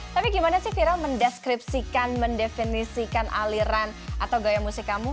tapi gimana sih vira mendeskripsikan mendefinisikan aliran atau gaya musik kamu